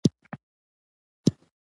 شنبه، زما کورنۍ او زه به یوځای کوکیز پخوم.